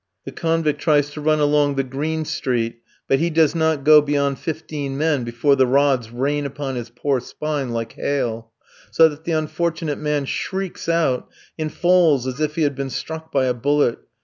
The convict tries to run along the "Green Street," but he does not go beyond fifteen men before the rods rain upon his poor spine like hail; so that the unfortunate man shrieks out, and falls as if he had been struck by a bullet.